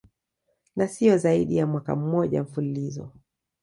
na siyo zaidi ya mwaka mmoja mfululizo